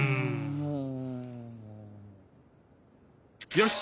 よし！